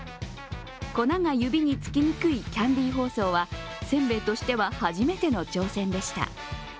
粉が指につきにくいキャンディ包装はせんべいとしては初めての挑戦でした。